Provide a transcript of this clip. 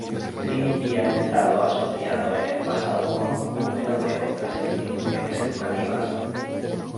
Trinity ha estado asociado en el pasado con un número de otras instituciones educativas.